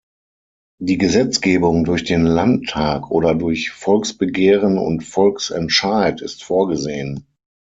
Die Gesetzgebung durch den Landtag oder durch Volksbegehren und Volksentscheid ist vorgesehen.